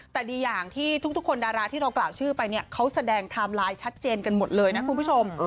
แต่ดีอย่างที่ทุกคนดาราที่เรากล่าวชื่อไปเนี่ยเขาแสดงไทม์ไลน์ชัดเจนกันหมดเลยนะคุณผู้ชม